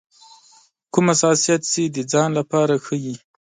کوم حساسیت چې د ځان لپاره ښيي.